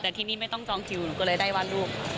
แต่ที่นี่ไม่ต้องจองคิวหนูก็เลยได้วาดรูป